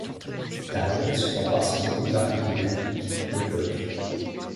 Cette armure est souvent parsemée d'une variété de pics, de blocs...